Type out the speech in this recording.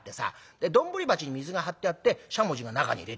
で丼鉢に水が張ってあってしゃもじが中に入れてあるんだ。